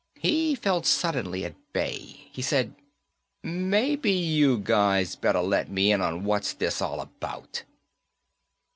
He felt suddenly at bay. He said, "Maybe you guys better let me in on what's this all about."